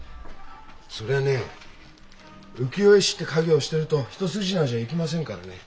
そりゃね浮世絵師って稼業をしてると一筋縄じゃいきませんからね。